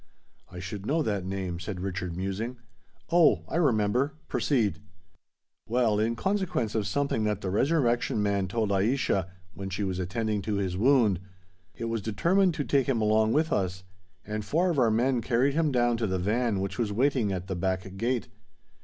"I should know that name," said Richard, musing. "Oh! I remember! Proceed." "Well—in consequence of something that the Resurrection Man told Aischa, when she was attending to his wound, it was determined to take him along with us; and four of our men carried him down to the van which was waiting at the back gate.